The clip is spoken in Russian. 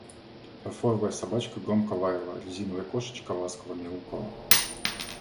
Фарфоровая Собачка громко лаяла, резиновая Кошечка ласково мяукала.